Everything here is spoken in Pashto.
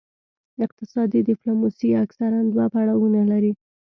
اقتصادي ډیپلوماسي اکثراً دوه پړاوونه لري